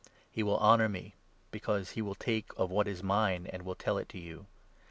He will honour me ; because he will take of what is mine, 14 and will tell it to you.